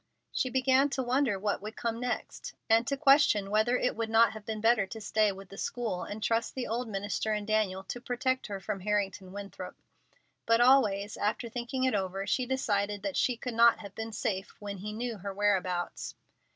She began to wonder what would come next, and to question whether it would not have been better to stay with the school, and trust the old minister and Daniel to protect her from Harrington Winthrop. But always, after thinking it over, she decided that she could not have been safe when he knew her whereabouts.